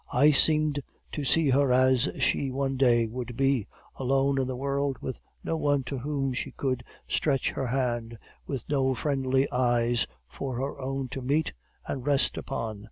I seemed to see her as she one day would be, alone in the world, with no one to whom she could stretch her hand, with no friendly eyes for her own to meet and rest upon.